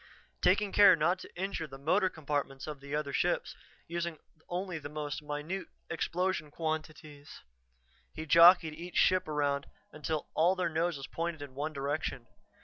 Taking care not to injure the motor compartments of the other ships, using only the most minute explosion quantities, he jockeyed each ship around until all their noses pointed in one direction.